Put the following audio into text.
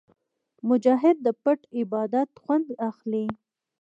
مجاهد د پټ عبادت خوند اخلي.